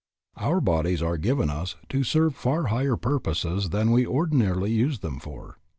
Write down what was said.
Our bodies are given us to serve far higher purposes than we ordinarily use them for.